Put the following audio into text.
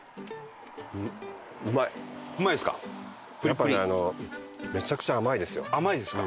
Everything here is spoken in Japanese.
やっぱりあのめちゃくちゃ甘いですよ。